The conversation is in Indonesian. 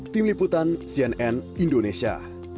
tim liputan cnn indonesia